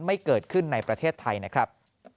ไม่เกิดขึ้นในประเทศไทยนะครับ